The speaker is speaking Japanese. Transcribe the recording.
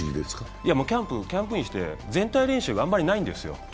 キャンプインして全体練習があまりないんですよ。